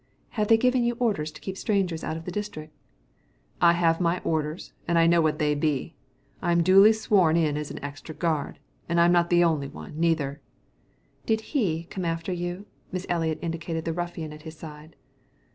"Have they given you orders to keep strangers out of the district?" "I have me orders, and I know what they be. I'm duly sworn in as extra guard and I'm not the only one, neither." "Did he come after you?" Miss Eliot indicated the ruffian at his side.